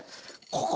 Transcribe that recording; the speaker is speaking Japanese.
ここ！